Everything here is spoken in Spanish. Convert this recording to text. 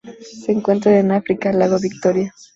Se encuentran en África: lago Victoria.